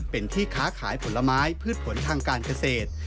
เป็นที่ค้าขายผลไม้พืชผลทางการเกษตร